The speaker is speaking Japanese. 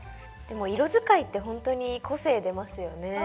でも色使いってホントに個性出ますよね。